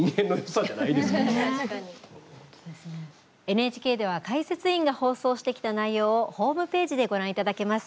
ＮＨＫでは解説委員が放送してきた内容をホームページでご覧いただけます。